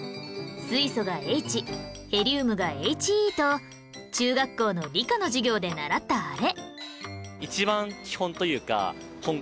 水素が Ｈ ヘリウムが Ｈｅ と中学校の理科の授業で習ったあれ